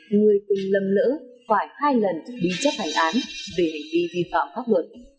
người từng lầm lỡ phải hai lần đi chấp hành án về hành vi vi phạm pháp luật